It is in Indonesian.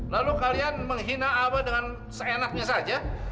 lalu kalian menghina aba dengan seenaknya saja